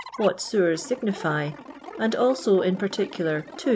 What Sewars signify, and also, in particular, *'S.